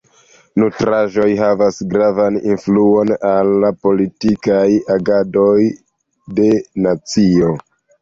Nutraĵoj havas gravan influon al politikaj agadoj de nacio.